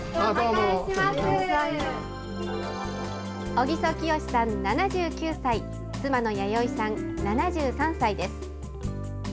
小木曽清志さん７９歳、妻のやよいさん７３歳です。